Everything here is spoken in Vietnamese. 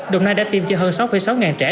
đồng nai đã tiêm cho hơn sáu sáu trẻ